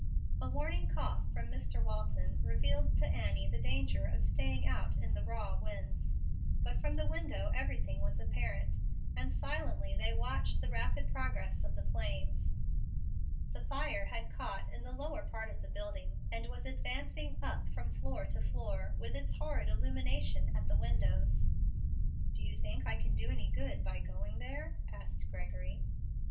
A warning cough from Mr. Walton revealed to Annie the danger of staying out in the raw winds; but from the windows everything was apparent, and silently they watched the rapid progress of the flames. The fire had caught in the lower part of the building, and was advancing up from floor to floor with its horrid illumination at the windows. "Do you think I can do any good by going there?" asked Gregory.